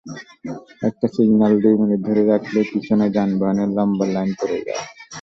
একটি সিগন্যাল দুই মিনিট ধরে রাখলেই পেছনে যানবাহনের লম্বা লাইন পড়ে যায়।